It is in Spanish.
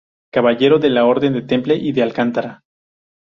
Caballero de la Orden del Temple y de Alcántara.